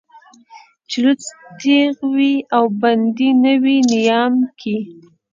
چې لوڅ تېغ وي او بندي نه وي نيام کې